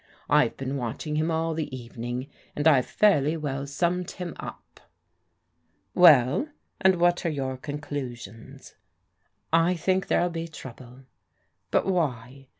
I've been watching him all the evexi ing, and I've fairly well stimmed him up." " Well, and what are your conclusions? "" I think there'll be trouble." " But why